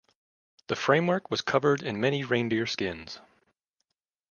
The framework was covered in many reindeer skins.